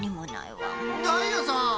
ダイヤさん。